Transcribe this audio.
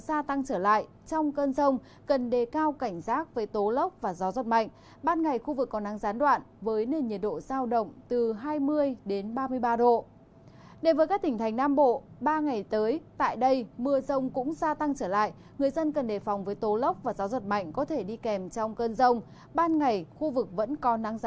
nền nhiệt độ sao động từ hai mươi ba đến ba mươi bốn độ có nắng nhiều mưa nếu có chỉ xảy ra vài nơi vào lúc chiều tối với lượng không đáng kể